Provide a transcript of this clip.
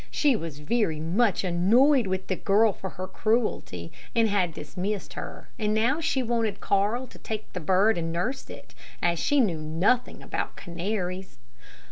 She was very much annoyed with the girl for her cruelty, and had dismissed her, and now she wanted Carl to take her bird and nurse it, as she knew nothing about canaries.